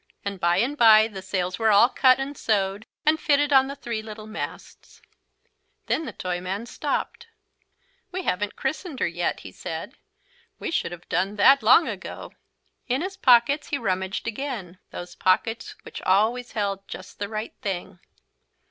And bye and bye the sails were all cut and sewed and fitted on the three little masts. Then the Toyman stopped. "We haven't christened her yet," he said. "We should have done that long ago." In his pockets he rummaged again, those pockets which always held just the right thing.